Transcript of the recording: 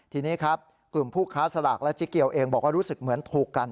ทีนี้ครับกลุ่มผู้ค้าสลากและเจ๊เกียวเองบอกว่ารู้สึกเหมือนถูกกัน